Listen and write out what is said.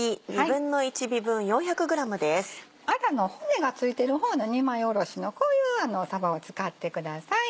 アラの骨が付いてる方の二枚おろしのこういうさばを使ってください。